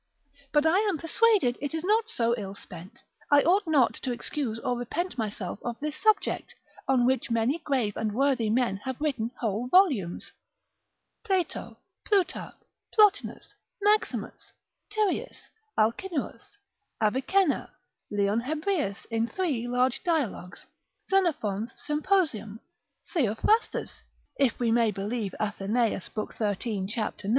But I am persuaded it is not so ill spent, I ought not to excuse or repent myself of this subject; on which many grave and worthy men have written whole volumes, Plato, Plutarch, Plotinus, Maximus, Tyrius, Alcinous, Avicenna, Leon Hebreus in three large dialogues, Xenophon sympos. Theophrastus, if we may believe Athenaeus, lib. 13. cap. 9.